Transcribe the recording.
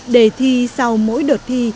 đề thi sau mỗi đợt thi